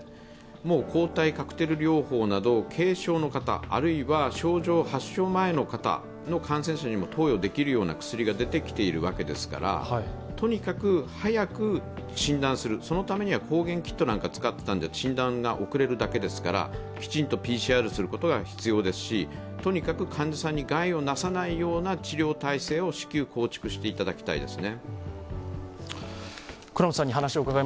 もう抗体カクテル療法など軽症の方、症状が発症前の患者の方にも投与できるような薬が出てきているわけですから、とにかく早く診断する、そのためには抗原キットなんか使ってたんでは診断が遅れるだけですからきちんとＰＣＲすることが必要ですしとにかく患者さんに害をなさないような治療体制を至急構築していただきたいですね。